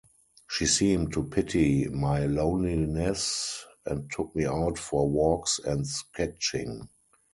She seemed to pity my loneliness and took me out for walks and sketching.